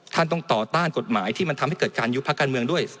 ท่านต้องต่อต้านกฎหมายที่มันทำให้เกิดการยุบพักการเมืองด้วย